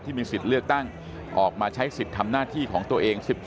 มีสิทธิ์เลือกตั้งออกมาใช้สิทธิ์ทำหน้าที่ของตัวเอง๑๔